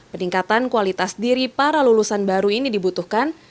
peningkatan kualitas diri para lulusan baru ini dibutuhkan